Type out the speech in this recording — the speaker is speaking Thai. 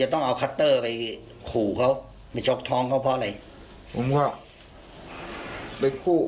ผมก็ไปกู้ไปเอาขู่ไว้